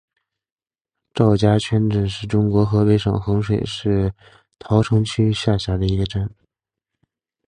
赵家圈镇是中国河北省衡水市桃城区下辖的一个镇。